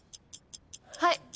はい。